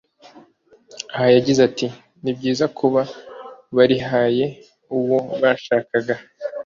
Aha yagize ati”Ni byiza kuba barihaye uwo bashakaga